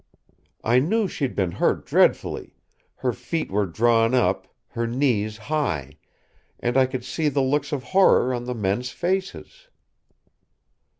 "I knew she'd been hurt dreadfully; her feet were drawn up, her knees high; and I could see the looks of horror on the men's faces."